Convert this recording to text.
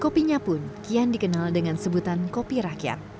kopi nya pun kian dikenal dengan sebutan kopi rakyat